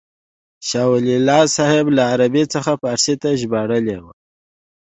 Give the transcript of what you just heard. شاه ولي الله صاحب له عربي څخه فارسي ته ژباړلې وه.